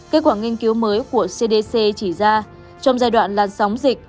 kết quả nghiên cứu mới của cdc chỉ ra trong giai đoạn làn sóng dịch